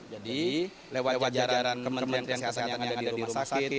jadi lewat jajaran kementerian kesehatan yang ada di rumah sakit